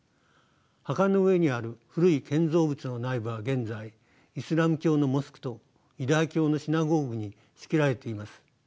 墓の上にある古い建造物の内部は現在イスラム教のモスクとユダヤ教のシナゴーグに仕切られています。